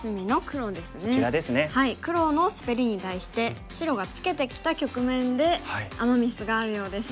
黒のスベリに対して白がツケてきた局面でアマ・ミスがあるようです。